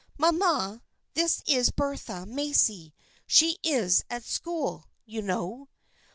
Mamma, this is Bertha Macy. She is at school, you know."